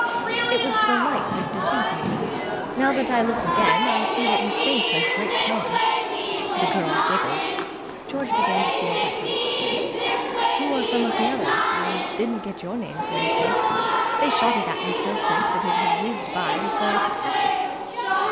"It was the light that deceived me. Now that I look again, I see that his face has great charm." The girl giggled. George began to feel better. "Who are some of the others? I didn't get your name, for instance. They shot it at me so quick that it had whizzed by before I could catch it."